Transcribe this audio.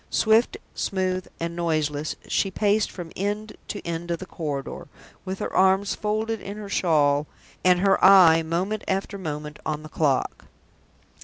Swift, smooth, and noiseless, she paced from end to end of the corridor, with her arms folded in her shawl and her eye moment after moment on the clock.